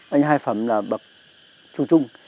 anh hai phẩm là bậc chùa trung